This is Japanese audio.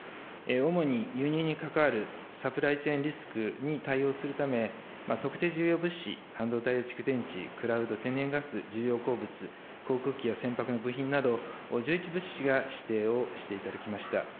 主に輸入に関わるサプライチェーンリスクに対応するため、特定重要物資、半導体や蓄電池、クラウド、天然ガス、重要鉱物、航空機や船舶の部品など、１１物資が指定をしていただきました。